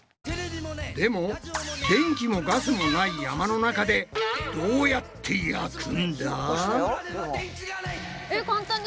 でも電気もガスもない山の中でどうやって焼くんだ？